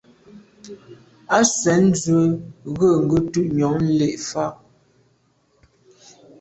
Á swɛ̌n ndwə́ rə̂ ŋgə́tú’ nyɔ̌ŋ lí’ fá.